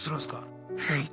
はい。